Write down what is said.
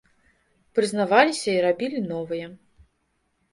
Прызнаваліся і рабілі новыя.